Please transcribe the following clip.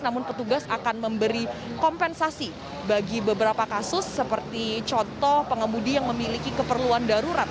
namun petugas akan memberi kompensasi bagi beberapa kasus seperti contoh pengemudi yang memiliki keperluan darurat